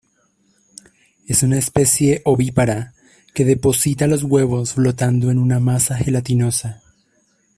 Es una especie ovípara, que deposita los huevos flotando en una masa gelatinosa.